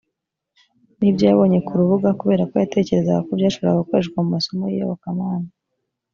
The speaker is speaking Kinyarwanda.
n ibyo yabonye ku rubuga kubera ko yatekerezaga ko byashoboraga gukoreshwa mu masomo y iyobokamana